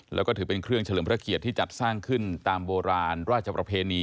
แล้วก็ถือเป็นเครื่องเฉลิมพระเกียรติที่จัดสร้างขึ้นตามโบราณราชประเพณี